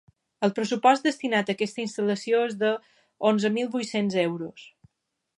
El pressupost destinat a aquesta instal·lació és de onzen mil vuit-cents euros.